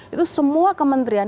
itu semua kementrian